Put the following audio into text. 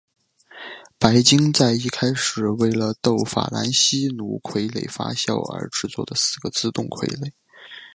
白金在一开始为了逗法兰西奴傀儡发笑而制作的四个自动傀儡。